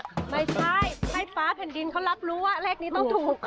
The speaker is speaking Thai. ไม่ใช่ไฟฟ้าแผ่นดินเขารับรู้ว่าเลขนี้ต้องถูก